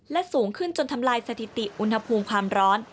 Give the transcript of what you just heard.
และสูงขึ้นจนทำลายสถิติอุณหภูมิความร้อน